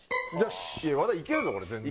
和田いけるぞこれ全然。